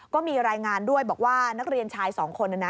ก็มีรายงานด้วยบอกว่านักเรียนชายสองคนนะนะ